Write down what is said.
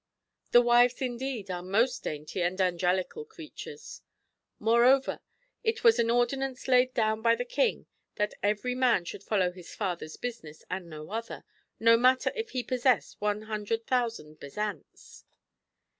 The wives indeed are most dainty and angelical creatures ! Moreover it was an ordinance laid down by the King that every man should follow his father's business and no other, no matter if he possessed 100,000 bezants.